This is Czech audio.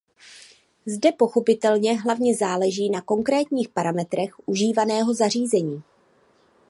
Zde pochopitelně hlavně záleží na konkrétních parametrech užívaného zařízení.